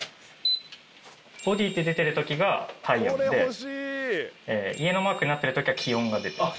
「Ｂｏｄｙ」って出てる時が体温で家のマークになってる時は気温が出てます。